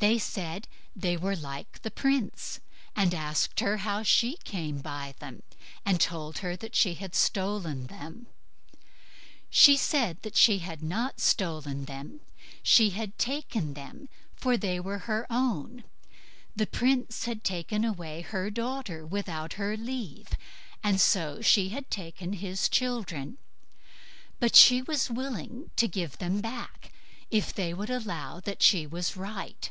They said, "they were like the prince", and asked her how she came by them, and told her she had stolen them. She said she had not stolen them; she had taken them, for they were her own; the prince had taken away her daughter without her leave, and so she had taken his children; but she was willing to give them back, if they would allow that she was right.